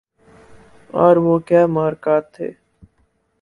اور وہ کیا محرکات تھے